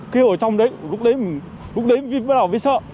lúc đấy lúc đấy lúc đấy mới bắt đầu thấy sợ